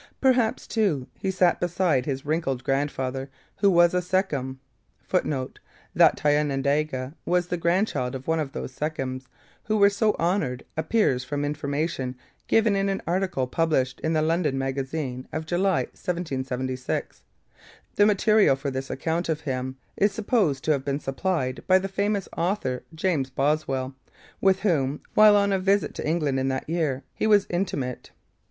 Perhaps, too, he sat beside his wrinkled grandfather, who was a sachem, [Footnote: That Thayendanegea was the grandchild of one of these sachems who were so honoured appears from information given in an article published in the London Magazine; of July 1776. The material for this account of him is supposed to have been supplied by the famous author James Boswell, with whom, while on a visit to England in that year, he was intimate.